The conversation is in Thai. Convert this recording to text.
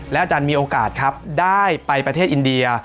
อาจารย์มีโอกาสครับได้ไปประเทศอินเดีย